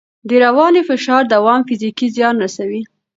د رواني فشار دوام فزیکي زیان رسوي.